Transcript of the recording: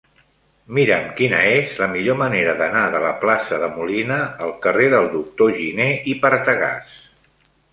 Mira'm quina és la millor manera d'anar de la plaça de Molina al carrer del Doctor Giné i Partagàs.